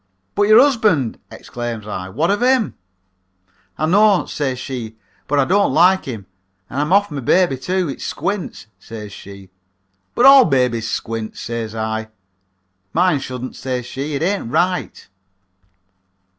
"'But your husband,' exclaims I. 'What of him?' "'I know,' says she, 'but I don't like him and I'm off my baby, too. It squints,' says she. "'But all babies squint,' says I. "'Mine shouldn't,' says she. 'It ain't right.'